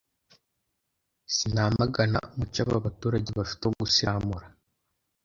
”Sinamagana umuco aba baturage bafite wo gusiramura